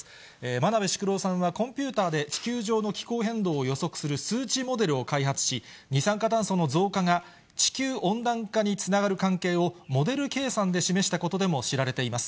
真鍋淑郎さんはコンピューターで地球上の気候変動を予測する数値モデルを開発し、二酸化炭素の増加が、地球温暖化につながる関係をモデル計算で示したことでも知られています。